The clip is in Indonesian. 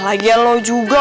lagian lo juga